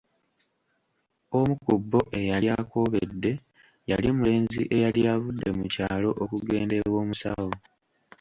Omu ku bo eyali akoobedde yali mulenzi eyali avudde mu kyalo okugenda ew'omusawo.